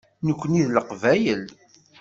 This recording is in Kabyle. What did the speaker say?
Nekkni d Leqbayel.